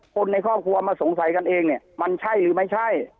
คนในครอบครัวมาสงสัยกันเองเนี่ยมันใช่หรือไม่ใช่